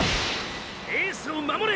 エースを守れ！